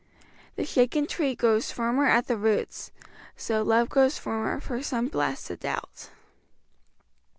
"The shaken tree grows firmer at the roots; So love grows firmer for some blasts of doubt."